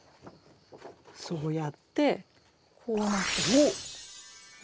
そうやってこうなってしまう。